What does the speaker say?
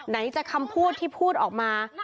ไหนจะคำพูดที่พูดออกมา